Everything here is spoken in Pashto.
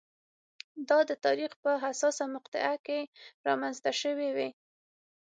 دا د تاریخ په حساسه مقطعه کې رامنځته شوې وي.